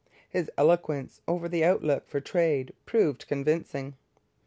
His eloquence over the outlook for trade proved convincing.